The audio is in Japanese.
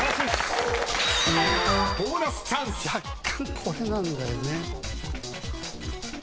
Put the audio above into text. これなんだよね。